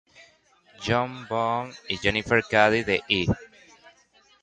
John Boone y Jennifer Cady de E!